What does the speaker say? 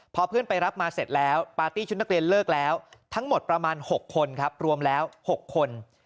พอเพื่อนไปรับมาเสร็จแล้วปาร์ตี้ชุดนักเรียนเลิกแล้วทั้งหมดประมาณ๖คนครับรวมแล้ว๖คน